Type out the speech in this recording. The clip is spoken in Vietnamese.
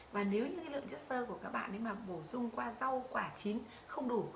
và nếu như cái lượng chất sơ của các bạn ấy mà bổ sung qua rau quả chín không đủ